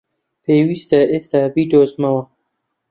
پێویستە ئێستا بیدۆزمەوە!